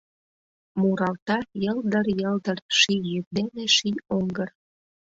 Муралта йылдыр-йылдыр Ший йӱк дене ший оҥгыр.